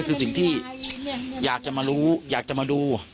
คือสิ่งที่อยากจะมารู้อยากจะมาดู